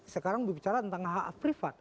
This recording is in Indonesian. sekarang berbicara tentang hak hak private